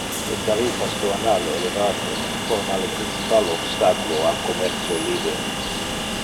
Le tarifas doanal elevate forma le principal obstaculo al commercio libere.